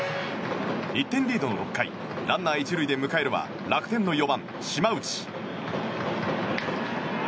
１点リードの６回ランナー１塁で迎えるは楽天の４番、島内。